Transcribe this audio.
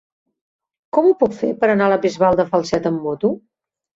Com ho puc fer per anar a la Bisbal de Falset amb moto?